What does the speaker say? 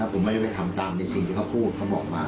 ผมไม่ได้ไปทำตามในสิ่งที่เขาพูดเขาบอกมา